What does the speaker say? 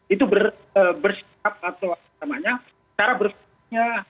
itu bersikap atau apa namanya